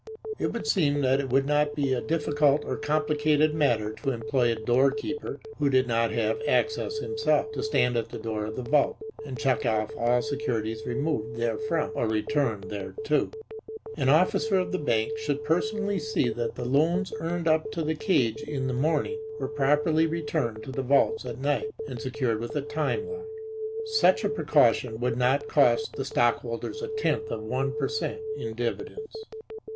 It would seem that it would not be a difficult or complicated matter to employ a doorkeeper, who did not have access himself, to stand at the door of the vault and check off all securities removed therefrom or returned thereto. An officer of the bank should personally see that the loans earned up to the cage in the morning were properly returned to the vaults at night and secured with a time lock. Such a precaution would not cost the Stockholders a tenth of one per cent. in dividends.